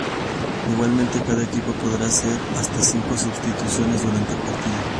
Igualmente cada equipo podrá hacer hasta cinco sustituciones durante el partido.